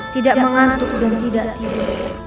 tidak mengantuk dan tidak tidur